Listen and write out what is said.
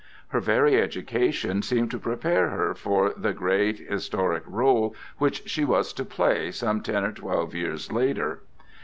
Her very education seemed to prepare her for the great historic rôle which she was to play some ten or twelve years later.